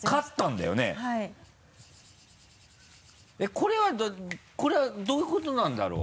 これはこれはどういうことなんだろう？